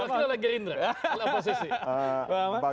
bapak amman untuk siapa